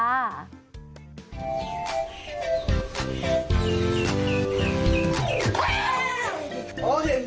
อ๋อเห็นกล้อง